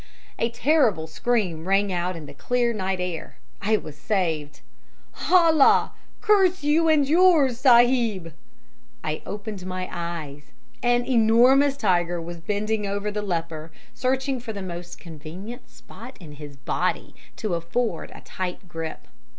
"A terrible scream rang out in the clear night air. I was saved. "'Allah curse you and yours, sahib.' "I opened my eyes; an enormous tiger was bending over the leper, searching for the most convenient spot in his body to afford a tight grip.